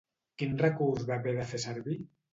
Quin recurs va haver de fer servir?